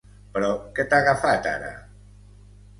Però què t'ha agafat, ara?